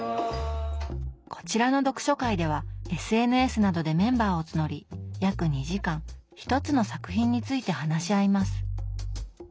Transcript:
こちらの読書会ではＳＮＳなどでメンバーを募り約２時間１つの作品について話し合います。